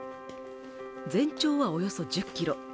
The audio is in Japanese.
全長はおよそ１０キロ